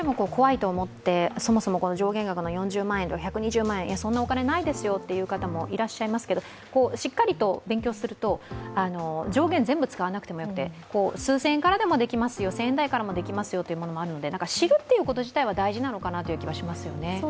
そもそも、上限額の４０万円１２０万円、そんなお金ないですという方もいらっしゃいますが、しっかりと勉強すると上限全部使わなくても、数千円からも１０００円からでもできますよと、知るっていうこと自体は大事なのかなという気もしますよね。